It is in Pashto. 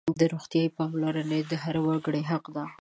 روغتیايي پاملرنه د هر وګړي حق دی.